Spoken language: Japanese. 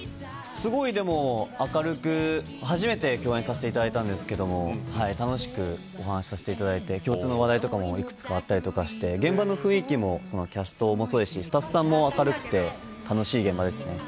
すごく明るくて初めて共演したんですが楽しくさせていただいて共通の話題も幾つかあったり現場の雰囲気もキャストもそうですしスタッフさんも明るくて楽しい現場です。